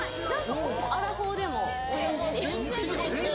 アラフォーでもフリンジに。